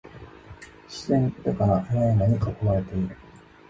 自然豊かな山々に囲まれている